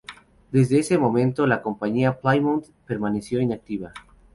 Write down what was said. Desde ese momento la Compañía de Plymouth permaneció inactiva.